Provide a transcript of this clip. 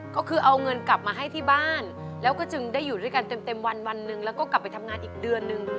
ก็คือเอาเงินกลับมาให้ที่บ้านแล้วก็จึงได้อยู่ด้วยกันเต็มวันวันหนึ่งแล้วก็กลับไปทำงานอีกเดือนนึง